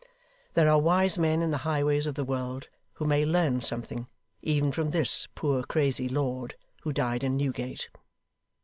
There are wise men in the highways of the world who may learn something, even from this poor crazy lord who died in Newgate.